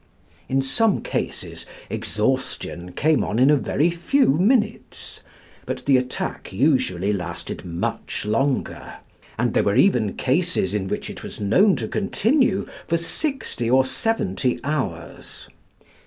In some cases exhaustion came on in a very few minutes, but the attack usually lasted much longer, and there were even cases in which it was known to continue for sixty or seventy hours.